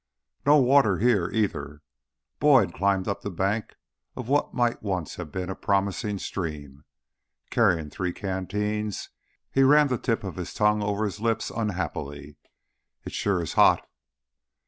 _ "No water here either." Boyd climbed up the bank of what might once have been a promising stream. Carrying three canteens, he ran the tip of his tongue over his lips unhappily. "It sure is hot!"